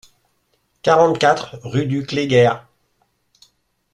quarante-quatre rue du Cléguer